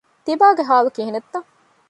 ތިބާގެ ޙާލު ކިހިނެއްތަ؟